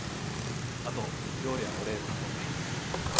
あと料理は俺担当で。